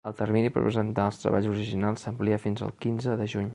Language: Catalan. El termini per presentar els treballs originals s’amplia fins al quinze de juny.